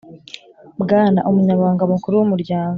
bwana umunyamabanga mukuru w’umuryango